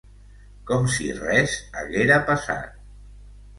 Com si res haguera passat.